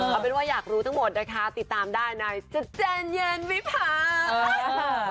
เอาเป็นว่าอยากรู้ทั้งหมดนะคะติดตามได้ในสเจนเย็นวิพา